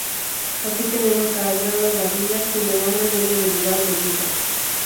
Así tenemos a Agra da Vila, cuyo nombre debe derivar de villa.